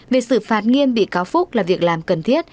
việc xử phạt nghiêm bị cáo phúc là việc làm cần thiết